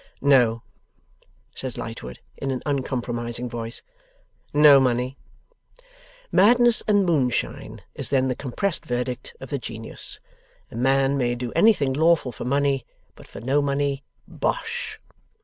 'No,' says Lightwood, in an uncompromising voice; 'no money.' 'Madness and moonshine,' is then the compressed verdict of the Genius. 'A man may do anything lawful, for money. But for no money! Bosh!